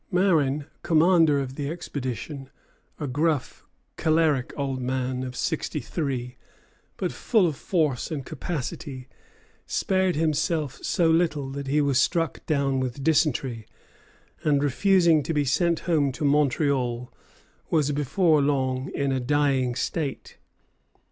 Marin, commander of the expedition, a gruff, choleric old man of sixty three, but full of force and capacity, spared himself so little that he was struck down with dysentery, and, refusing to be sent home to Montreal, was before long in a dying state.